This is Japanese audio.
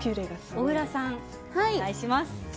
小倉さん、お願いします。